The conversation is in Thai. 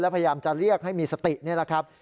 พยายามจะเรียกให้มีสตินี่แหละครับ